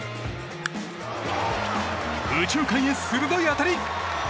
右中間へ鋭い当たり。